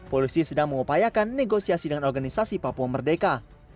polisi sedang mengupayakan negosiasi dengan organisasi papua merdeka